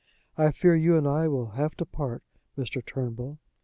I fear you and I will have to part, Mr. Turnbull."